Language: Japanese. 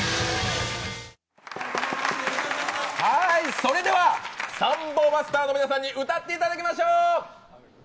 それでは、サンボマスターの皆さんに歌っていただきましょう！